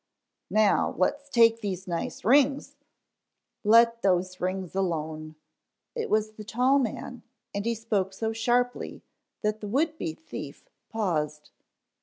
"Now, let's take these nice rings " "Let those rings alone." It was the tall man and he spoke so sharply that the would be thief paused.